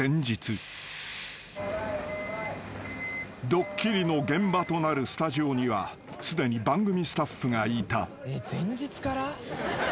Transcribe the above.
［ドッキリの現場となるスタジオにはすでに番組スタッフがいた］